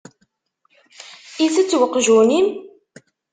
Itett uqjun-im?